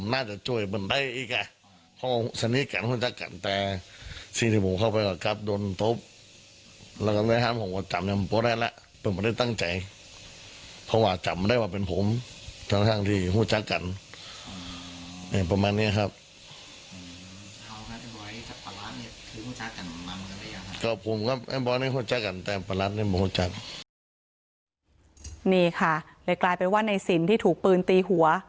นี่ค่ะเลยกลายเป็นว่าในสินที่ถูกปืนตีหัว